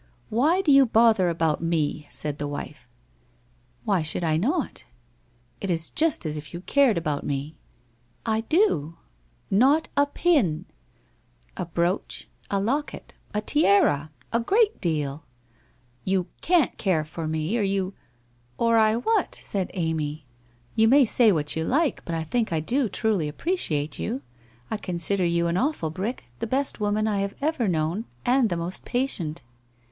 ' Why do you bother about me ?' said the wife. < Why should I not ?' 1 It is just as if you cared about me.' < I do.' ' Not a pin !'' A brooch — a locket — a tiara — a great deal !'' You can't care for me, or you '' Or I what? ' said Amy. ' You may say what you like, but I think I do truly appreciate you. I consider you an awful brick, the best woman I have ever known and the most patient.'